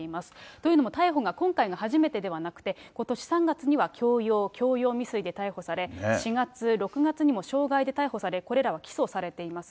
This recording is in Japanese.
というのも、逮捕が今回が初めてではなくて、ことし３月には強要・強要未遂で逮捕され、４月、６月にも傷害で逮捕され、これらは起訴されています。